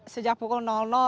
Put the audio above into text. sejak pukul